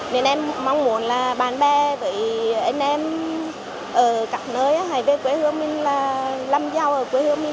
nên em mong muốn là bạn bè với anh em ở các nơi hãy về quê hương mình làm giàu ở quê hương mình